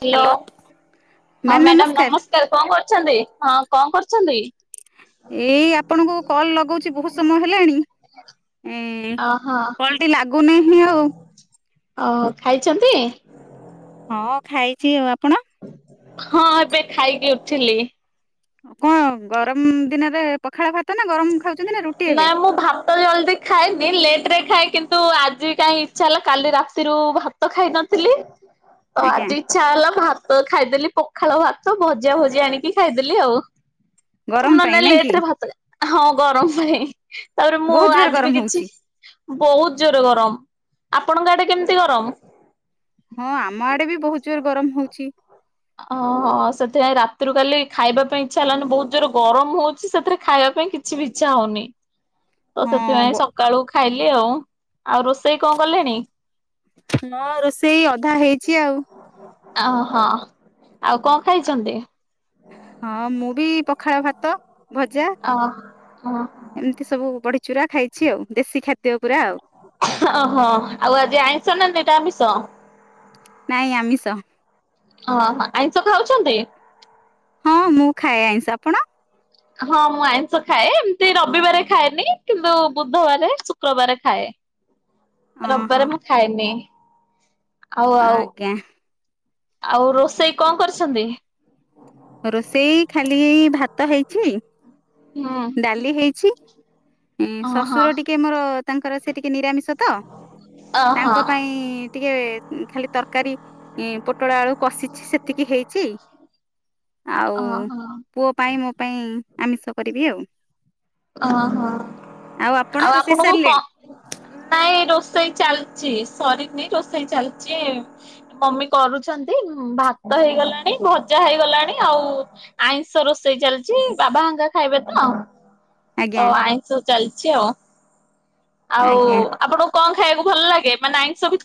Hello ହଁ madam ନମସ୍କାର କଣ କରୁଛନ୍ତି ହଁ କଣ କରୁ ଛନ୍ତି। ଏଇ ଆପଣଙ୍କୁ କଲ ଲଗଉଛି ବହୁତ ସମୟ ହେଲାଣି ଏ ଓହୋ କଲଟି ଲାଗୁନାହିଁ ଆଉ ଓ ଖାଇଛନ୍ତି। ହଁ ଖାଇଛି ଆଉ ଆପଣ। ହଁ ଏବେ ଖାଇକି ଉଠିଲି ଆଉ କଣ ଗରମ ଦିନରେ ପଖାଳ ଖାତ ନା ଗରମ ଖାଉଛନ୍ତି ରୁଟି ନା ଏବେ? ମୁଁ ଭାତ ଜଲଦି ଖାଏନି ଲେଟ ରେ ଖାଇ କିନ୍ତୁ ଆଜି କାଇଁ ଇଛା ହେଲା କାଲି ରାତିରୁ ଭାତ ଖାଇନଥିଲି। ତ ଆଜ୍ଞା ଆଜି ଇଚ୍ଛା ହେଲା ଭାତ ଖାଇଦେଲି। ପଖାଳ ଭାତ ଭଜା ଭଜି ଆଣିକି ଖାଇଦେଲି ଆଉ। ଗରମ ପାଇଁ [inaudible] ନାଇଁ ଲେଟ କି ରେ ଭାତ ହଁ ଗରମ। ପାଇଁ। ତାପରେ ମୁଁ ବହୁତ ଜୋର ଆଜି ଗରମ ବି କିଛି ହଉଛି। ବହୁତ ଜୋରେ ଗରମ ଆପଣଙ୍କ ଆଡେ କେମିତି ଗରମ। ହଁ ଆମ ଆଡେ ବି ବହୁତ ଜୋର ଗରମ ହଉଛି। ଓହୋ ସେଥିପାଇଁ ରାତିରୁ କାଲି ଖାଇବା ପାଇଁ ଇଛା ହେଲାନି ବହୁତ ଜୋର ଗରମ ହଉଛି ସେଥିରେ ଖାଇବା ପାଇଁ କିଛି ବି ଇଚ୍ଛା ହଉନି। ତ ହଁ ସେଥିପାଇଁ ସକାଳୁ ଖାଇଲି। [unintelligible] କଣ କଲେଣି ମୋ ରୋଷେଇ ଅଧା ହେ ଓହୋ। ଆଉ କଣ ଖାଇଛନ୍ତି। ହଁ ମୁଁ ବି ପଖାଳ ଭାତ। ଭଜା ଅ ଏମିତି ସବୁ ବଡ଼ି ଚୁରା ଖାଇଛି ଆଉ ଦେଶୀ ଖାଦ୍ୟ ପୁରା ଆଉ। ଓହୋ ଆଉ ଆଜି ଆଇଂଶ ନା ନିରାମିଷ। ନାଇଁ ଆମିଷ। ଓହୋ ଆଇଁଷ ଖାଉଛନ୍ତି। ହଁ ମୁଁ ଖାଏ ଆଇଶ ଆ ଆପଣ। ହଁ ମୁଁ ଆଇଁଷ ଖାଏ ଏମିତି ରବିବାରେ ଖାଏନି କିନ୍ତୁ ବୁଧବାର ଶୁକ୍ରବାରେ ଖାଏ। ଅଁ ହଁ ରବିବାରେ ମୁଁ ଖାଏନି। ଆଉ ଆଉ ଆଜ୍ଞା। ଆଉ ରୋଷେଇ କଣ କରିଛନ୍ତି। ରୋଷେଇ ଖାଲି ଏଇ ଭାତ ହେଇଛି। ହୁଁ ଡାଲି ହେଇଛି। ଉଁ ଓହୋ ଶଶୁର ଟିକେ ମୋର ତାଙ୍କର ସେ ଟିକେ ନିରାମିଷ ତ ଓହୋ ତାଙ୍କ ପାଇଁ ଟିକେ ଖାଲି ତରକାରୀ ପୋଟଳ ଆଳୁ କଷିଛି ସେତିକି ହେଇଛି ଆଉ ଓହୋ ପୁଅ ପାଇଁ ମୁଁ ପାଇଁ ଆମିଷ କରିବି ଆଉ ଓହୋ ଆପଣ ଆଉ ରୋଷେଇ ଆପଣଙ୍କୁ କ ସାରିଲେଣି ନାଇଁ ରୋଷ ରୋଷେଇ ଚାଲିଛି ସରିନି ରୋଷେଇ ଚାଲିଛି ମମି କରୁଛନ୍ତି ଭାତ ହେଇଗଲାଣି। ଭଜା ହେଇଗଲାଣି ଆଉ ଆଇଁଷ ରୋଷେଇ ଚାଲିଛି ବାବାହଙ୍କା ଖାଇବେ ତ ଓ ଆଜ୍ଞା ଆଇଁଷ ଚାଲଛି ଆଉ ଆଉ ଆଜ୍ଞା ଆପଣଙ୍କୁ କଣ ଖାଇକୁ ଭଲ ଲାଗେ ମାନେ ଆଇଁଷ ଭି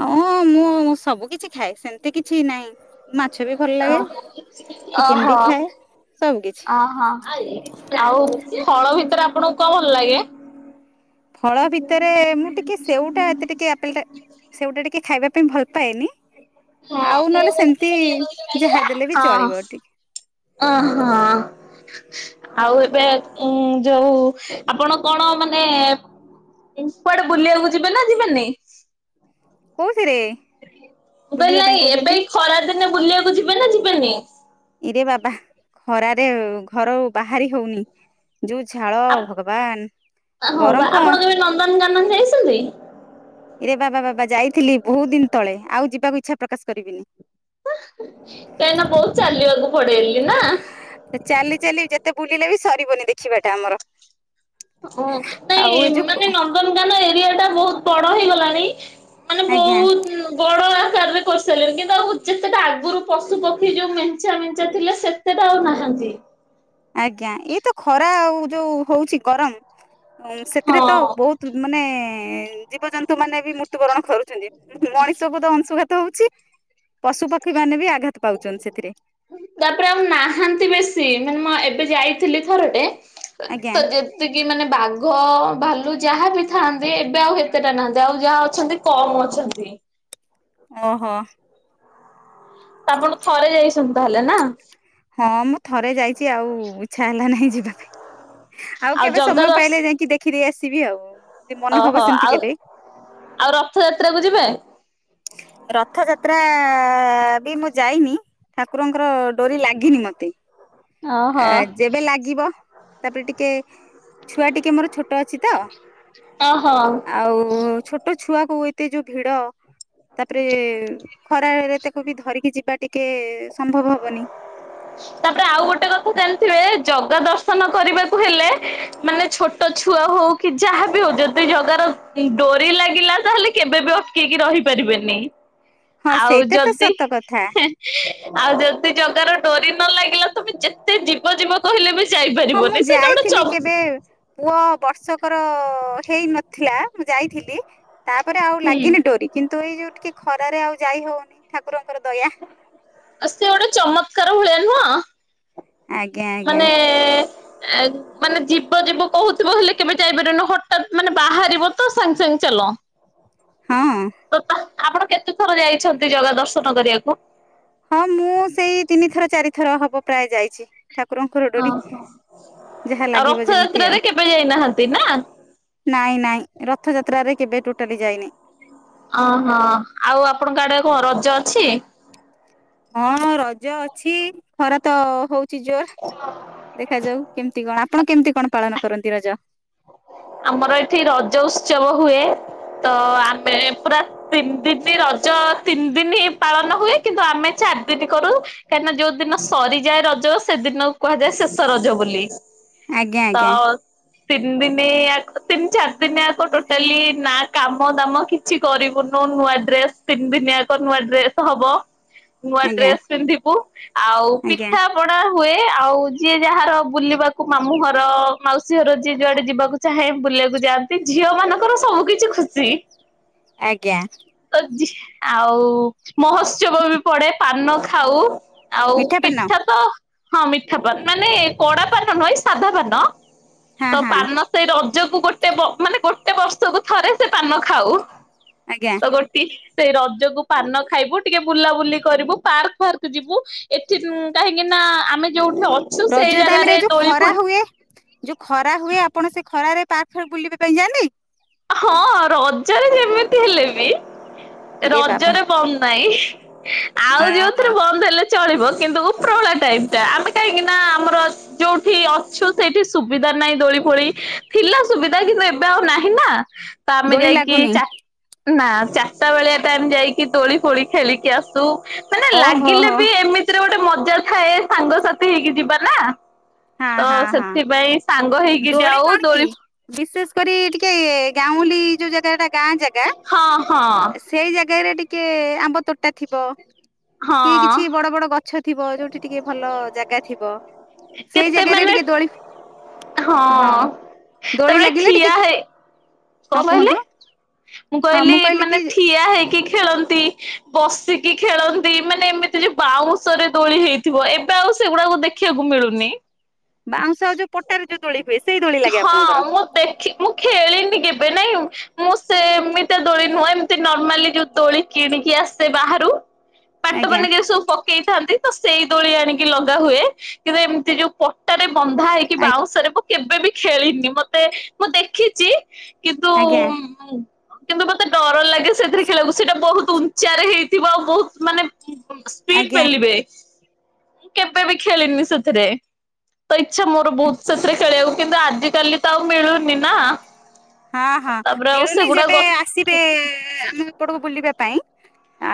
ହଁ ମୁଁ ସବୁ କିଛି ଖାଏ ସେମିତି କିଛି ନାହିଁ ମାଛ ବି ଭଲ ଓ ଲାଗେ ଚିକେନ ଓହୋ ବି ଖାଏ ସବୁ କିଛି ଅହୋ ଆଉ ଫଳ ଭି ସାର ଆପଣଙ୍କୁ କଣ ଭଲ ଲାଗେ? ଫଳ ଭିତରେ ମୁଁ ଟିକେ ସେଉଟା ଏତେ ଟିକେ ଆପଲ ଟା ସେଉଟା ଟିକେ ଖାଇବା ତମେ ଭଲ ପାଏନି। ହଁ ଆଉ ନହେଲେ ସେମିତି ହଁ ଯାହା ଦେଲେ ବି ଚଳିବ ଟିକେ ଓ ହଁ ଆଉ ଏବେ ଉଁ ଯୋଉ ଆପଣ କଣ ମାନେ କୁଆଡେ ବୁଲିବାକୁ ଯିବେ ନା ଯିବେନି? ଉଠ ବେଲେ ଇ କହୁଛନ୍ତି ଏବେ ଇ ଖରା ଦିନେ ବୁଲିବାକୁ ଯିବେ ନା ଯି ଯିବେନି ଇରେ ବାବା ଖରାରେ ଘର ବାହାରି ହଉନି ଯୋଉ ଝାଳ ଆପ୍ ଭଗବାନ ଗରମ କ ନା ଯାଇଛନ୍ତି? ରେ ବାବା ବାବା ଯାଇଥିଲି ବହୁତ ଦିନ ତଳେ ଆଉ ଯିବାକୁ ଇଚ୍ଛା ପ୍ରକାଶ କରିବିନି। ଆ କାହିଁକି ନା ବହୁତ ଚାଲିବାକୁ ପଡେଲି ନା ଏତେ ବୁଲିଲେ ବି ସରିବନି ଦେଖିବାଟା ଆମର ଓ ଆଉ ନାଇଁ ଏଇ ଯୋଉ ମାନେ ନନ୍ଦନକାନ ଏରିଆ ଟା ବହୁତ ବଡ ରହିଗଲାଣି ମାନେ ଆଜ୍ଞା ବହୁତ ବଡ କାରେ କରିସାରିଲେଣି କିନ୍ତୁ ଆଉ ଯେତେଟା ଆଗରୁ ପଶୁ ପକ୍ଷୀ ଯୋଉ ମେଞ୍ଚା ମେଞ୍ଚା ଥିଲେ ସେତେଟା ଆଉ ନାହାନ୍ତି। ଆଜ୍ଞା ଏଇ ତ ଖରା ଆଉ ଯୋଉ ହଉଚି ଗରମ ଉଁ ସେଥିରେ ତ ହଁ ବହୁତ ମାନେ ଏଁ ଜୀବଜନ୍ତୁ ମାନେ ବି ମୃତ୍ୟୁବରଣ କରୁ ଛନ୍ତି ମଣିଷକୁ ତ ଅଂଶୁଘାତ ତ ହୋଉଚି। ତାପରେ ଆଉ ନାହାନ୍ତି ବେଶୀ ମାନେ ମ୍ ଏ ଏବେ ଯାଇଥିଲି ଥରଟେ ଆଜ୍ଞା ତ ଯେତିକି ମାନେ ବାଘ ବାଲ- ଯାହା ବି ଥାନ୍ତି ଏବେ ଆଉ ଏତେଟା ନାହାନ୍ତି ଆଉ ଯାହା ଅଛନ୍ତି କମ ଅଛନ୍ତି। ଓହୋ। ଆପଣ ଥରେ ଯାଇସ ହେଲେ ନା। ହଁ ମୁଁ ଥରେ ଯାଇଛି ଆଉ ଇଚ୍ଛା ହେଲା ନାହିଁ ଯିବି [inaudible] ଆଉ କେବେ ଜଗା ସମୟ ଦର୍ଶ ପାଇଲେ ଯାଇକି ଦେଖିଦେଇ ଆସିବି। ଆଉ ଯଦି ମନ ହବ ଓହୋ ସେମିତି [inaudible] ଆଉ କେବେ ଆଉ ରଥଯାତ୍ରାକୁ ଯିବେ ରଥଯାତ୍ରା ଯାତ୍ରା ବି ମୁଁ ଯାଇନି ଠାକୁରଙ୍କର ନି ମତେ ଓହୋ। ଯେବେ ଲାଗିବ ତାପରେ ଟିକେ ଛୁଆ ଟିକେ ମୋର ଛୋଟ ଅଛି ତ ଓହୋ ଆଉ ଛୋଟ ଛୁଆକୁ ଏତେ ଯୋଉ ଭିଡ଼ ତାପରେ ଖରାାରେରେ ତାକୁ ବି ଧରିକି ଯିବା ଟିକେ ସମ୍ଭବ ହବନି। ତାପରେ ଆଉ ଗୋଟେ କଥା ଜାଣିଥିବେ ଜଗା ଦର୍ଶନ କରିବାକୁ ହେଲେ ମାନେ ଛୋଟ ଛୁଆ ହଉ କି ଯାହା ବି ହଉ ଯଦି ଜଗାର ଡୋରି ଲାଗିଲା ତାହେଲେ କେବେ ବି ଅଟକେଇକି ରହିପାରିବେନି। ହଁ ଆଉ ସେଇଟା ତ ଯଦି ସତ କଥା ଆଉ ଯେତି ଟଙ୍କାର ଡରି ନ ଲାଗିଲା ତମେ ଯେତେ ଜୀବ ଜୀବ କହିଲେ ବି ହଁ ମୁଁ ଯାଇପାରିବନି ସେଇଟା ଗୋଟେ ଯାଇଥିଲି ଚମ କେବେ ପୁଅ ବର୍ଷକର ହେଇ ନଥିଲା ମୁଁ ଯାଇଥିଲି। ତାପରେ ଆଉ ଲାଗିନି ହୁଁ ଡୋରି କିନ୍ତୁ ତୁ ଏଇ ଯୋଉ ଟିକେ ଖରାରେ ଆଉ ଯାଇ ହଉନି। ଠାକୁରଙ୍କର ଦୟା। ଆ ସେ ଗୋଟେ ଚମତ୍କାର ଭଳିଆ ନୁହଁ? ଆଜ୍ଞା ଆଜ୍ଞା। ମାନେ ଏ ମାନେ ଯିବ ଯିବ କହୁଥିବ ହେଲେ କେବେ ଯାଇପାରିବୁନୁ ହଠାତ୍ ମାନେ ବାହାରିବ ତ ସାଙ୍ଗେ ସାଙ୍ଗେ ଚାଲ। ହଁ। ତ ଆପଣ କେତେ ଥର ଯାଇଛନ୍ତି ଜଗା ଦର୍ଶନ କରିବାକୁ? ହଁ ମୁଁ ସେଇ ତିନି ଥର ଚାରିଥର ହବ ପ୍ରାୟ ଯାଇଚି। ଠାକୁରଙ୍କର ଡୋରି ଯାହା ଆଉ ଲାଗିବ ଯେମିତି ରଥଯାତ୍ରାରେ ଆଉ କେବେ ଯାଇନାହାନ୍ତି ନା? ନାଇଁ ନାଇଁ ରଥଯାତ୍ରାରେ କେବେ ଟୋଟାଲି ଯାଇନି। ଅହଁ ଆଉ ଆପଣଙ୍କ ଆଡେ କଣ ରଜ ଅଛି। ହଁ ରଜ ଅଛି ଖରା ତ ହଉ ଜୋର ଦେଖାଯାଉ କେମିତି କଣ ଆପଣ କେମିତି କଣ ପାଳନ କରନ୍ତି ରଜ? ଆମର ଏଠି ରଜ ଉତ୍ସବ ହୁଏ। ତ ଆମେ ପୁରା ତିନି ଦିନ ରଜ ତିନି ଦିନ ହି ପାଳନ ହୁଏ। କିନ୍ତୁ ଆମେ ଚାରି ଦିନ କରୁ କାହିଁକିନା ଯୋଉ ଦିନ ସରିଯାଏ ରଜ ସେଦିନ କୁହାଯାଏ ଶେଷ ରଜ ବୋଲି। ଆଜ୍ଞା ତ ଆଜ୍ଞା। ତିନି ଦିନ ତିନି ଚାରି ଦିନିଆକ ଟୋଟାଲି ନା କାମ ଦାମ କିଛି କରିବୁନୁ ନୂଆ ଡ୍ରେସ ତିନି ଦିନିଆକ ନୂଆ ଡ୍ରେସ ହବ। ନୂଆ ଆଜ୍ଞା ଡ୍ରେସ୍ ପିନ୍ଧିବୁ ଆଉ ଆଜ୍ଞା। ପିଠା ପଣା ହୁଏ। ଆଉ ଯିଏ ଯାହାର ବୁଲିବାକୁ ମାମୁଁ ଘର ମାଉସୀ ଘର ଯିଏ ଯୁଆଡେ ଯିବାକୁ ଚାହେଁ ବୁଲିବାକୁ ଯାଆନ୍ତି ଝିଅ ମାନଙ୍କର ସବୁ କିଛି ଖୁସି। ଆଜ୍ଞା। ତ ଆଉ ମହୋତ୍ସବ ବି ପଡେ ପାନ ଖାଉ। ଆଉ ମିଠା ପାନ ପିଠା ତ ହଁ ମିଠା ପାନ ମାନେ କଡାପାନ ନୁହେଁ ସାଧା ପାନ। ହଁା ତ ହଁା ପାନ ସେଇ ରଜକୁ ଗୋଟେ ମାନେ ଗୋଟେ ବର୍ଷକୁ ଥରେ ସେ ପାନ ଖାଉ। ଆଜ୍ଞା ତ ଗୋଟି ସେଇ ରଜକୁ ପାନ ଖାଇବୁ ଟିକେ ବୁଲାବୁଲି କରିବୁ ପାର୍କ ଫାର୍କ ଯିବୁ ଏଠି କାହିଁକି ନା ଆମେ ଯୋଉଠ ଅଛୁ ରଜ ସେଇ ଟାଇମ ରେ ଜାଗାରେ ଯୋଉ ଦୋଳି ଖରା ଫୁଣି ହୁଏ। ଯୋଉ ଖରା ହୁଏ ଆପଣ ସେ ଖରାରେ ପାଖରେ ବୁଲିବା ପାଇଁ ଯାଆନ୍ତି। ହଁ ରଜରେ ଯେମିତି ହେଲେ ବି ଇରେ ବାବା ରଜରେ ବନ୍ଦ ନାଇଁ। ଆଉ ଅହୋ ଯୋଉଥିରେ ବନ୍ଦ ହେଲେ ଚଳିବ କିନ୍ତୁ ଉପରଳା ଟାଇମ ଟା ଆମେ କାହିଁକି ନା ଆମର ଯୋଉଠି ଅଛୁ ସେଇଠି ସୁବିଧା ନାହିଁ ଦୋଳି ଫୋଳି ଥିଲା ସୁବିଧା କିନ୍ତୁ ଏବେ ଆଉ ନାହିଁ। ହିଁ ନା। ତ ଆମେ ଦୋଳି ଯାଇକି ଲାଗୁନି ଚା ନା ଚାରିଟା ବେଳିଆ ଟାଇମ ଯାଇକି ତୋଳି ଫୋଳି ଖେଳିକି ଆସୁ ମାନେ ଓହୋ ଲାଗିଲେ ହୋ ବି ଏମିତିରେ ଗୋଟେ ମ ରଜ ଥାଏ ସାଙ୍ଗସାଥି ହେଇକି ଯିବା ନା। ହଁ ତ ହଁ ହଁ ସେଥିପାଇଁ ସାଙ୍ଗ ହେଇକି ଦୋଳି ଯାଉ କଣ କି ବିଶେଷ କରି ଟିକେ ଗାଉଁଲି ଯୋଉ ଜାଗାଟା ହଁ ହଁ। ଜାଗାରେ ଟିକେ ଆମ୍ବ ତୋଟା ଟା ଥିବ କି କିଛି ହଁ ବଡ ବଡ ଗଛ ଥିବ ଯୋଉଠି ଟିକେ ଭଲ ଜାଗା ଥିବ। ସେଇ କେତେ ଜାଗାରେ ମାନେ ଟିକେ ଦୋଳି ହଁ ଦୋଳି ତମେ ଲାଗିଲେ ଠିଆ ଟିକେ ହେଇ କଣ ହଁ କହିଲେ କୁହନ୍ତୁ ମୁଁ କହିଲି ମାନେ ଠିଆ ହେଇକି। ଖେଳନ୍ତି ବସିକି ଖେଳନ୍ତି ମାନେ ଏମିତି ଯେ ବାଉଁଶରେ ଦୋଳି ହେଇଥିବ ଏବେ ଆଉ ସେଗୁଡାକ ଦେଖିବାକୁ ମିଳୁନି। ବାଉଁଶ ଆଉ ଯୋଉ ପଟାରେ ଯୋଉ ଦୋଳି ହୁଏ ସେଇ ଦୋଳି ଲାଗେ ହଁ ଆପଣଙ୍କର। ମୁଁ ଦେଖି ମୁଁ ଖେଳିନି କେବେ ମୁଁ ସେ ଏମିତି ଦୋଳି ନୁହଁ ଏମତି ନର୍ମାଲି ଯୋଉ ଦୋଳି କିଣିକି ଆସେ ବାହାରୁ। ବାଟ ଆଜ୍ଞା ମାନଙ୍କରେ ସବୁ ପକେଇଥାନ୍ତି। ତ ସେଇ ଦୋଳି ଆଣିକି ଲଗା ହୁଏ କିନ୍ତୁ ଏମିତି ଯୋଉ ପଟାରେ ବନ୍ଧା ହେଇକି ବାଉଁଶରେ କେବେ ବି ଖେଳିନି ମତେ ମୁଁ ଦେଖିଛି। ହଁ। କିନ୍ତୁ ଆଜ୍ଞା କିନ୍ତୁ ମତେ ଡର ଲାଗେ ସେଥିରେ ଖେଳକୁ ସେଇଟା ବହୁତ ଉଞ୍ଚାରେ ହେଇଥିବ ଆଉ ବହୁତ ମାନେ ସ୍ପିଡ ଆଜ୍ଞା ପେଲିବେ। ମୁଁ କେବେ ବି ଖେଳିନି ସେଥିରେ ତ ଇଚ୍ଛା ମୋର ବହୁତ ସେଥିରେ ଖେଳିବାକୁ କିନ୍ତୁ ଆଜି କାଲି ତ ଆଉ ମିଳୁନି ନା। ହଁ ହଁ ତାପରେ ଆଉ ମିଳୁନି ସେଗୁଡା ଯେବେ ଗ ଆସିବେ ଆମେ ଉପରକୁ ବୁଲିବା ପାଇଁ। ଆ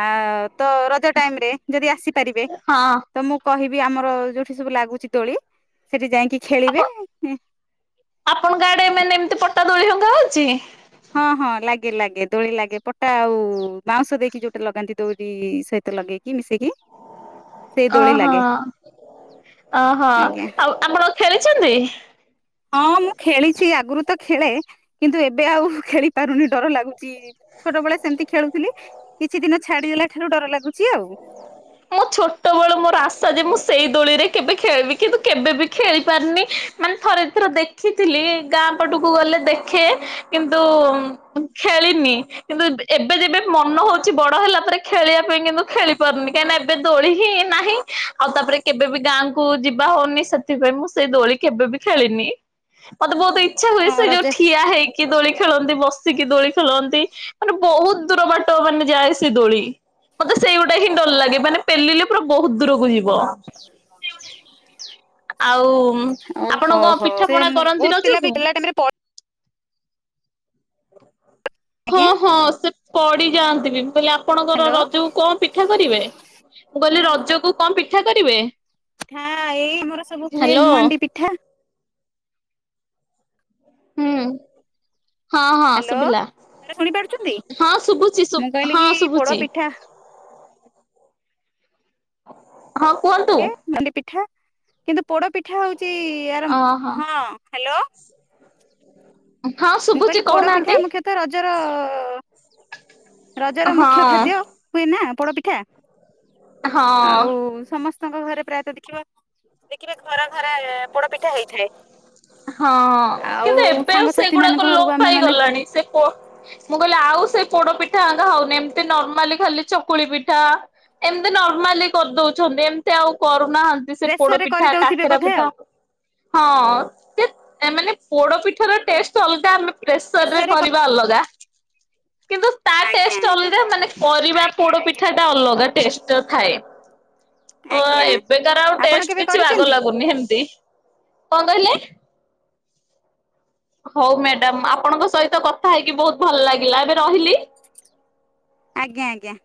ତ ରଜ ଟାଇମ୍ ରେ ଯଦି ଆସି ପାରିବେ ହଁ ତ ମୁଁ କହିବି ବି ଆମର ଯୋଉଠି ସବୁ ଲାଗୁଚି ଦୋଳି ସେଠି ଯାଇଁ ଆପଣ ଆପଣଙ୍କ ଆଡେ ମାନେ ଏମିତି ପଟା ଦୋଳିଭଙ୍ଗା ହଉଚି? ହଁ ହଁ ଲାଗେ ଲାଗେ ଦୋଳି ଲାଗେ ପଟା ଆଉ ବାଉଁସ ଦେଇକି ଯୋଉଟା ଲଗାନ୍ତି ଦୌରି ସହିତ ଲଗେଇକି। ମିଶେଇକି ସେଇ ଦୋଳି ଓହୋ ଲାଗେ ଓହୋ ଆଜ୍ଞା ଆଉ ଆପଣ ଖେଳିଚନ୍ତି? ହଁ ମୁଁ ଖେଳିଚି ଆଗରୁ ତ ଖେଳେ କିନ୍ତୁ ଏବେ ଆଉ ଖେଳି ପାରୁନି ଡର ଲାଗୁଚି ଛୋଟବେଳେ ସେମିତି ଖେଳୁଥିଲି କିଛି ଦିନ ଛାଡିଦେଲା ଠାରୁ ଡର ଲାଗୁଚି ଆଉ। ମୋ ଛୋଟବେଳୁ ମୋର ଆସ ଯେ ମୁଁ ସେଇ ଦୋଳିରେ କେବେ ଖେଳିବି କିନ୍ତୁ କେବେ ବି ଖେଳି ପାରୁନି ମାନେ ଥରେ ଥର ଦେଖିଥିଲି ଗାଁ ପଟକୁ ଗଲେ ଦେଖେ କିନ୍ତୁ ଖେଳିନି କିନ୍ତୁ ଏବେ ଯେବେ ମନ ହଉଛି ବଡ ହେଲା ପରେ ଖେଳିବା ପାଇଁ କିନ୍ତୁ ଖେଳି ପାରୁନି। କାହିଁକିନା ଏବେ ଦୋଳି ହିଁ ନାହିଁ ଆଉ ତାପରେ କେବେ ବି ଗାଁକୁ ଯିବା ହଉନି ସେଥିପାଇଁ ମୁଁ ସେଇ ଦୋଳି କେବେ ବି ଖେଳିନି ମତେ ବହୁତ ଇ ଇଛା ହୁଏ ସେ ହଁ ଯୋଉ ରଜା ଠିଆ ହେଇକି ଦୋଳି ଖେଳନ୍ତି ବସ ସିକି ଦୋଳି ଖେଳନ୍ତି ମାନେ ବହୁତ ଦୂର ବାଟ ମାନେ ଯାଏ ସେ ଦୋଳି ମତେ ସେଇଗୁଟା ହିଁ ଡର ଲାଗେ ମାନେ ପେଲିଲେ ବହୁତ ଦୂରକୁ ଯିବ ବା। ଆଉ ଆପଣ ଓହୋ କଣ ହୋ ପିଠା ସେ ପଣା କରନ୍ତି ବହୁତ ପିଲା ରଜକୁ? ବି ଖେଳିଲା ଟାଇମରେ ପଡ ହ। ହଁ ଆଜ୍ଞା ହଁ ସେ। ପଡି ଯାଆନ୍ତିିବି କହିଲି ଆପଣଙ୍କର ହ୍ୟାଲୋ ରଜକୁ କଣ ପିଠା କରିବେ ମୁଁ କହିଲି ରଜ ରଜକୁ କଣ ପିଠା କରିବେ। ଠା ଏଇ ମୋର୍ ସବୁ ହୁଏ ହ୍ୟାଲୋ ମଣ୍ଡି ପିଠା। ହୁଁ ହଁ ହଁ ହ୍ୟାଲୋ ଶୁଭିଲା ଶୁଣି ପାରୁଛନ୍ତି ହଁ ଶୁଭୁଛି ମୁଁ କହିଲି ହଁ କି ପୋଡ ଶୁଭୁଛି। ପିଠା ହଁ କୁହନ୍ତୁ। କେ ନନ୍ଦି ପୀଠ [unintelligible] କିନ୍ତୁ ପୋଡ ପିଠା ହଉଛି ଚି ଆରେ ଓହୋ ହଁ ହ୍ୟାଲୋ ହଁ ଶୁଭୁଛିି କହୁନାହାନ୍ତି। ନିର [unintelligible] ରଜର ମୁଖ୍ୟ ହଁ ଖାଦ୍ୟ ହୁଏ ନା ପୋଡ଼ ପିଠା। ହଁ। ତାଙ୍କ ଘରେ ପ୍ରାୟତଃ ଦେଖିବା ଦେଖିବେ ଘରା ଘରା ପୋଡପିଠା ହେଇଥାଏ। ହଁ କିନ୍ତୁ ଏବେ ଆଉ ସେଇ ସେ ମାନଙ୍କ ଘରକୁ ଆମେ ମାନେ ମୁଁ କହିଲି ଆଉ ସେ ପୋଡ ପିଠାଙ୍କା ହଉନି ଏମିତି ନର୍ମାଲି ଖାଲି ଚକୁଳି ପିଠା ଏମିତି ନର୍ମାଲି କରିଦଉଛନ୍ତି ଏମିତି ଆଉ କରୁ ନାହାନ୍ତି ସେ ପୋଡ ପ୍ରେସରରେ ପିଠା କରିଦଉଥିବେ କାଖେରା ବୋଧେ ପିଠା। ଆଉ। ହଁ। ସେ ମାନେ ପୋଡ ପିଠ ର ଟେଷ୍ଟ ଅଲଗା ଆମେ ପ୍ରେସର୍ ରେ ପ୍ରେସରରେ କରିବା ଅଲଗା କିନ୍ତୁ ତା ଆଜ୍ଞା ଟେଷ୍ଟ ଆଜ୍ଞା ଅଲଗା ମାନେ କରିବା ପୋଡ ପିଠା ସେଟା ଅଲଗା ଟେଷ୍ଟ ଥାଏ। ହଁ ଆଜ୍ଞା ଏବେକାର ଆଉ ଆପଣ ଟେଷ୍ଟ କେବେ କିଛି ଆଗ କରିଛନ୍ତି? ଲାଗୁନି ସେମତି। କଣ କହିଲେ। ହଉ ମ୍ୟାଡ଼ାମ୍ ଆପଣଙ୍କ ସହିତ କଥା ହେଇକି ବହୁତ ଭଲ ଲାଗିଲା ଏବେ ରହିଲି। ଆଜ୍ଞା ଆଜ୍ଞା।